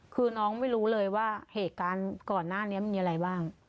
คือน้องไม่รู้เลยว่าเหตุการณ์ก่อนหน้านี้มีอะไรบ้าง